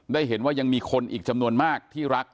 ได้เห็นว่ายังมีคนอีกจำนวนมากที่รัก